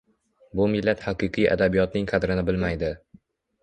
Bu millat haqiqiy adabiyotning qadrini bilmaydi